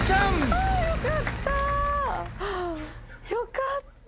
あよかった！